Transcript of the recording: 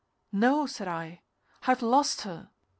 "No," said I. "I've lost her."